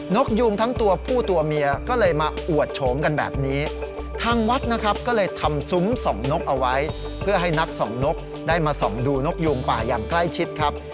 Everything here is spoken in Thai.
กยูงทั้งตัวผู้ตัวเมียก็เลยมาอวดโฉมกันแบบนี้ทางวัดนะครับก็เลยทำซุ้มส่องนกเอาไว้เพื่อให้นักส่องนกได้มาส่องดูนกยูงป่าอย่างใกล้ชิดครับ